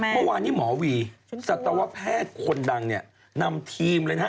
เมื่อวานนี้หมอวีย์ศัตรวะแพทย์คนดังนำทีมเลยนะ